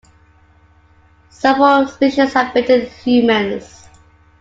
Several species have bitten humans.